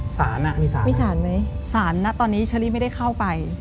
ศาลน่ะมีศาลไหมศาลน่ะตอนนี้เชอรี่ไม่ได้เข้าไป